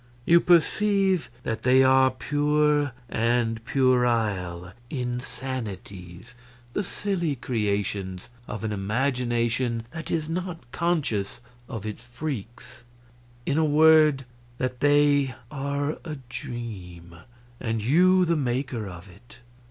You perceive that they are pure and puerile insanities, the silly creations of an imagination that is not conscious of its freaks in a word, that they are a dream, and you the maker of it.